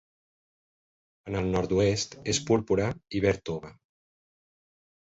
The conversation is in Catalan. En el nord-oest és púrpura i verda tova.